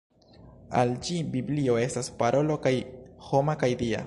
Al ĝi Biblio estas parolo kaj homa kaj Dia.